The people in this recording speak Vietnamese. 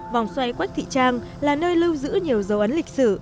vòng xoay quách thị trang là nơi lưu giữ nhiều dấu ấn lịch sử